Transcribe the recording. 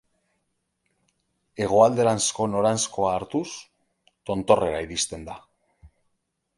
Hegoalderanzko noranzkoa hartuz, tontorrera iristen da.